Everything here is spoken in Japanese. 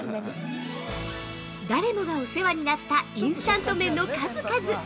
◆誰もがお世話になったインスタント麺の数々。